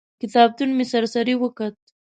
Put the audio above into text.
کتابتون مې سر سري وکت.